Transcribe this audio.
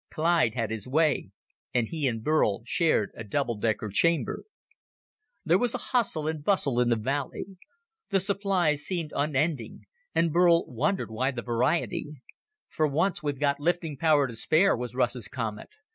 Clyde had his way, and he and Burl shared a double decker chamber. There was a hustle and bustle in the valley. The supplies seemed unending, and Burl wondered why the variety. "For once, we've got lifting power to spare," was Russ's comment.